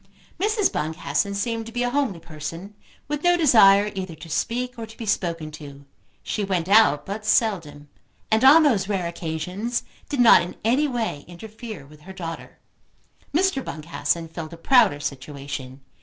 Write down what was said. Mrs. Boncassen seemed to be a homely person, with no desire either to speak, or to be spoken to. She went out but seldom, and on those rare occasions did not in any way interfere with her daughter. Mr. Boncassen filled a prouder situation.